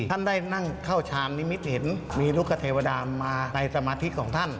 ท่านได้นั่งเข้าชามนิมิตเห็นมีลูกเทวดามาในสมาธิของท่าน